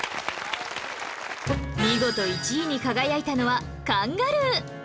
見事１位に輝いたのはカンガルー